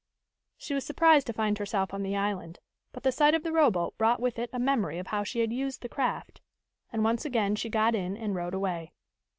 She was surprised to find herself on the island, but the sight of the rowboat brought with it a memory of how she had used the craft, and once again she got in and rowed away.